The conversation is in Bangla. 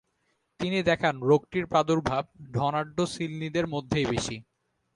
তিনি দেখান রোগটির প্রাদুর্ভাব ধনাঢ্য সিলনিদের মধ্যেই বেশি।